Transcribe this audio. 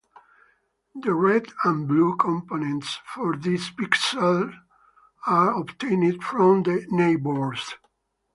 The red and blue components for this pixel are obtained from the neighbors.